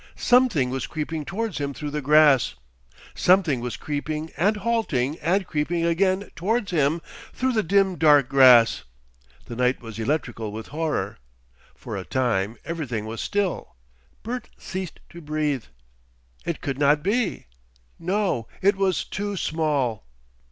Something was creeping towards him through the grass. Something was creeping and halting and creeping again towards him through the dim dark grass. The night was electrical with horror. For a time everything was still. Bert ceased to breathe. It could not be. No, it was too small!